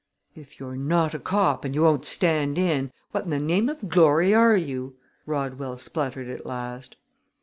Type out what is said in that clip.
"If you're not a cop and you won't stand in, what in the name of glory are you?" Rodweil spluttered at last.